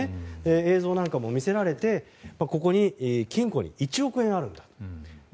映像なんかも見せられてここに金庫に１億円ある。